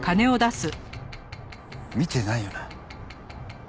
見てないよな？